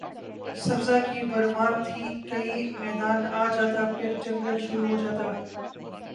سبزہ کی بھرمار تھی کہیں میدان آ جاتا پھر جنگل شروع ہو جاتا